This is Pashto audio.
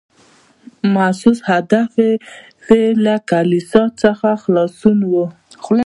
محسوس هدف یې له کلیسا څخه خلاصون و.